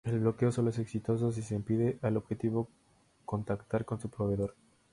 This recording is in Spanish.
El bloqueo solo es exitoso si se impide al objetivo contactar con su proveedor.